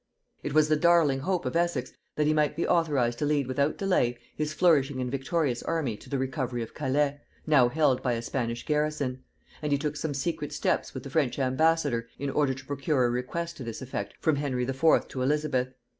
It was the darling hope of Essex that he might be authorized to lead without delay his flourishing and victorious army to the recovery of Calais, now held by a Spanish garrison; and he took some secret steps with the French ambassador in order to procure a request to this effect from Henry IV. to Elizabeth.